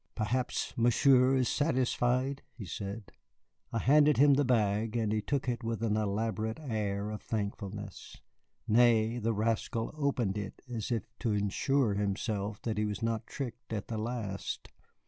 "Perhaps Monsieur is satisfied," he said. I handed him the bag, and he took it with an elaborate air of thankfulness. Nay, the rascal opened it as if to assure himself that he was not tricked at the last.